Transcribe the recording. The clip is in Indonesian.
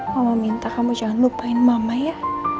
mama minta kamu jangan lupain mama ya